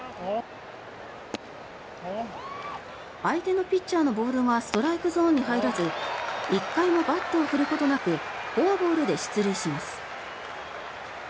相手のピッチャーのボールがストライクゾーンに入らず１回もバットを振ることなくフォアボールで出塁します。